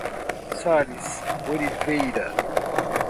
Sales Oliveira